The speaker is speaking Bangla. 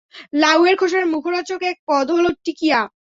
লাউয়ের খোসার মুখোরোচক এক পদ হলো টিকিয়া।